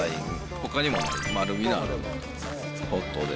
ほかにも丸みのあるポットで。